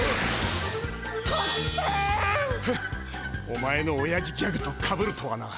お前のおやじギャグとかぶるとはな。